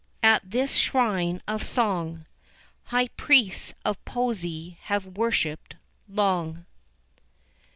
At this shrine of song High priests of poesy have worshipped long.